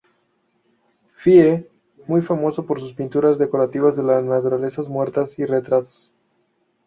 Fye muy famoso por sus pinturas decorativas de las naturalezas muertas y retratos.